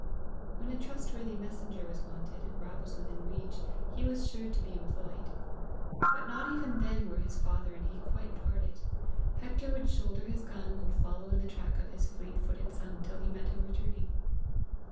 When a trustworthy messenger was wanted, and Rob was within reach, he was sure to be employed. But not even then were his father and he quite parted. Hector would shoulder his gun, and follow in the track of his fleet footed son till he met him returning.